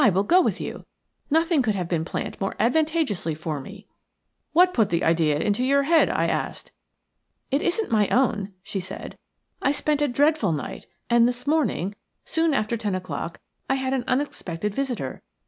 "I go with you. Nothing could have been planned more advantageously for me." "What put the idea into your head?" I asked. "It isn't my own," she said. "I spent a dreadful night, and this morning, soon after ten o'clock, I had an unexpected visitor.